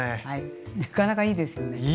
はいなかなかいいですよね。